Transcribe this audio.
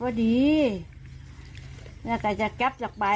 วีดีโอคอคุยกับแม่